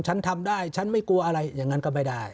ฉันทำได้ฉันไม่กลัวอะไรอย่างนั้นก็ไม่ได้